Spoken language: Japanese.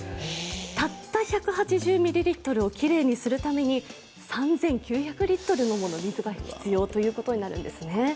たった１８０ミリリットルをきれいにするために３９００リットルものお水が必要ということになるんですね。